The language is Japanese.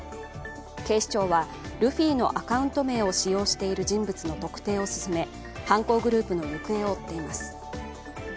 警視庁は、ルフィのアカウント名を使用している人物の特定を進め、犯行グループの行方を追っています。